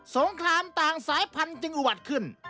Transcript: งครามต่างสายพันธุ์จึงอุบัติขึ้น